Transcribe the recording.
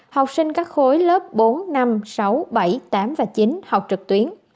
học sinh các khối lớp bốn năm sáu bảy tám và chín học trực tuyến